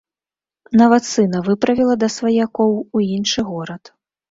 Нават сына выправіла да сваякоў у іншы горад.